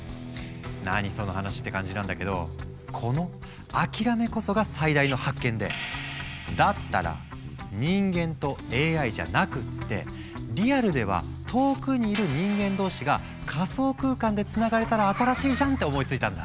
何その話？って感じなんだけどこの諦めこそが最大の発見でだったら人間とＡＩじゃなくってリアルでは遠くにいる人間同士が仮想空間でつながれたら新しいじゃんって思いついたんだ。